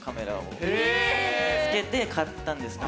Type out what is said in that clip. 見つけて買ったんですけど。